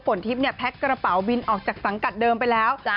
ผลทริปแพ็กกระเป๋าบินออกจากสังกัดเดิมไปแล้ว